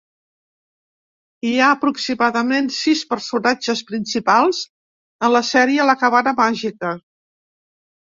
Hi ha aproximadament sis personatges principals a la sèrie "La cabana màgica".